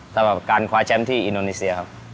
สำหรับการคว้าแชมป์ที่อินโดนีเซียครับ